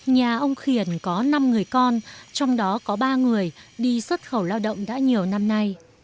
nhà ông khỉền có năm người con trong đó có ba người đi xuất khẩu lao động đã nhiều năm nay